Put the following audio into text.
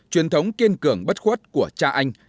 truyền thống kiên cường bất khuất của cha anh